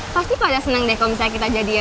pasti pada seneng deh kalo misalnya kita jadian